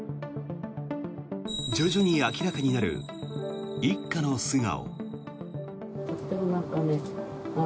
徐々に明らかになる一家の素顔。